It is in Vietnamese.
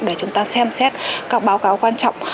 để chúng ta xem xét các báo cáo quan trọng